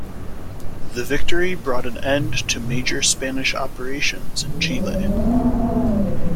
The victory bought an end to major Spanish operations in Chile.